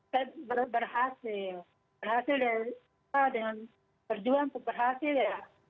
saya berhasil berhasil dengan berjuang untuk berhasil ya